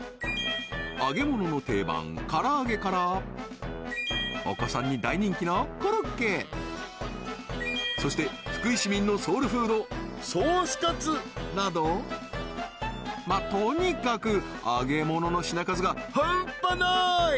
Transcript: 揚げ物の定番唐揚げからお子さんに大人気のコロッケそして福井市民のソウルフードソースカツなどとにかく揚げ物の品数がハンパない！